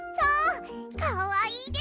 かわいいでしょ。